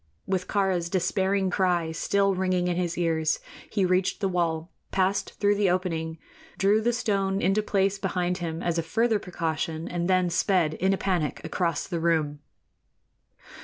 With Kāra's despairing cry still ringing in his ears, he reached the wall, passed through the opening, drew the stone into place behind him as a further precaution, and then sped in a panic across the room.